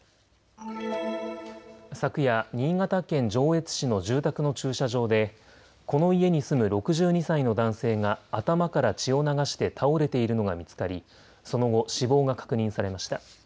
昨夜、新潟県上越市の住宅の駐車場でこの家に住む６２歳の男性が頭から血を流して倒れているのが見つかりその後死亡が確認されました。